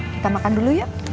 kita makan dulu ya